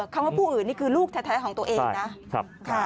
คำว่าผู้อื่นนี่คือลูกแท้ของตัวเองนะ